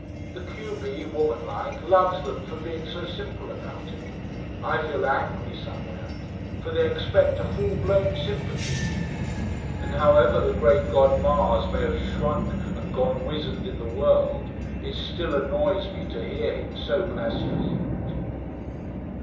The q b, woman like, loves them for being so simple about it. I feel angry somewhere. For they expect a full blown sympathy. And however the great god Mars may have shrunk and gone wizened in the world, it still annoys me to hear him so blasphemed.